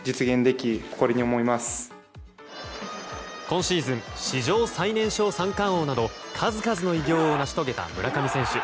今シーズン史上最年少三冠王など数々の偉業を成し遂げた村上選手。